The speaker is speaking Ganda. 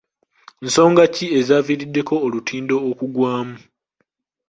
Nsonga ki ezaaviiriddeko olutindo okugwamu?